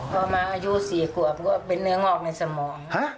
พอมาอายุ๔ขวบก็เป็นเนื้องอกในสมอง